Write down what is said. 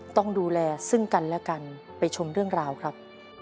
ต้องดูแลซึ่งกันและกันไปชมเรื่องราวครับ